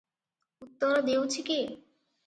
ଉତ୍ତର ଦେଉଛି କିଏ?